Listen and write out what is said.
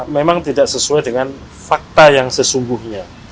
memang tidak sesuai dengan fakta yang sesungguhnya